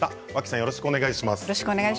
よろしくお願いします。